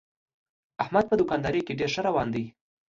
احمد په دوکاندارۍ کې ډېر ښه روان دی.